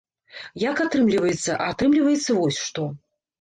Як атрымліваецца, а атрымліваецца вось што.